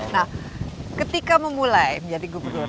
nah ketika memulai menjadi gubernur